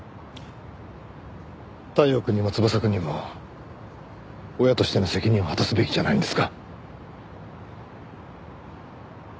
太陽くんにも翼くんにも親としての責任を果たすべきじゃないんですか？